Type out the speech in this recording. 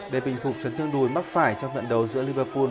để bình phục chấn thương đuôi mắc phải trong trận đấu giữa liverpool